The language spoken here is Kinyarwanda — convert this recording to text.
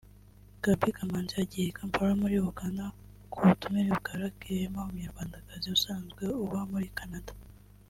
Gaby Kamanzi agiye i Kampala muri Uganda ku butumire bwa Lucky Rehema umunyarwandakazi usanzwe uba muri Canada